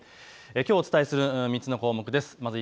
きょうお伝えする３つの項目です